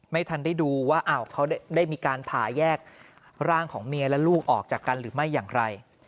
ไม่ทันได้ดูว่าเขาได้มีการผ่าแยกร่างของเมียและลูกออกจากกันหรือไม่อย่างไร